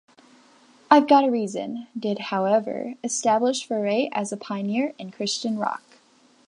"I've Got a Reason" did, however, establish Furay as a pioneer in Christian Rock.